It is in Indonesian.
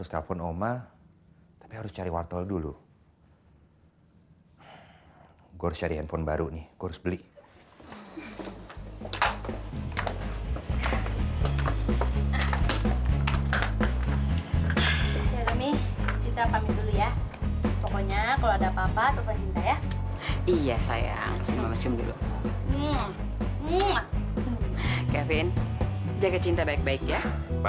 sampai jumpa di video selanjutnya